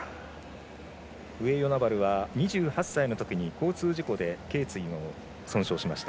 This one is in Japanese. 上与那原は２８歳のときに交通事故でけい椎を損傷しました。